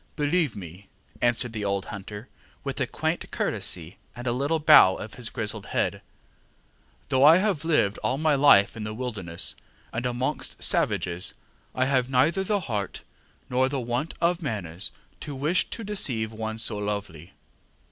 ŌĆ£Believe me, ŌĆØ answered the old hunter, with a quaint courtesy and a little bow of his grizzled head; ŌĆ£though I have lived all my life in the wilderness, and amongst savages, I have neither the heart, nor the want of manners, to wish to deceive one so lovely.